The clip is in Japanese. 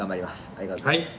ありがとうございます。